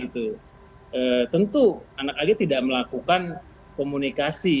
tentu anak ag tidak melakukan komunikasi